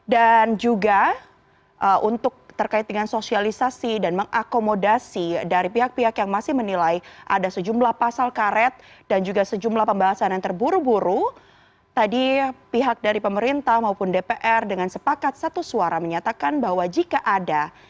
dan juga untuk terkait dengan sosialisasi dan mengakomodasi dari pihak pihak yang masih menilai ada sejumlah pasal karet dan juga sejumlah pembahasan yang terburu buru tadi pihak dari pemerintah maupun dpr dengan sepakat satu suara menyatakan bahwa jika ada yang merasa tidak terburu buru